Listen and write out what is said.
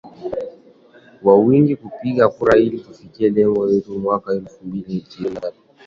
kwa wingi kupiga kura ili tufikie lengo letu mwaka elfu mbili na ishirini na tatu ushindi wa kishindo